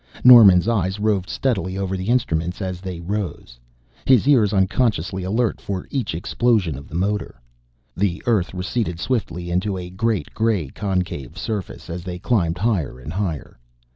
Norman's eyes roved steadily over the instrument as they rose, his ears unconsciously alert for each explosion of the motor. Earth receded swiftly into a great gray concave surface as they climbed higher and higher.